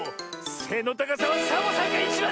せのたかさはサボさんがいちばんだ！